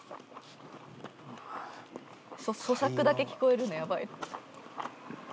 「咀嚼だけ聞こえるのやばい」